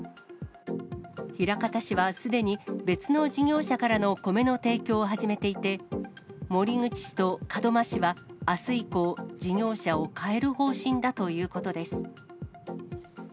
枚方市はすでに別の事業者からの米の提供を始めていて、守口市と門真市はあす以降、事業者を代える方針だということです。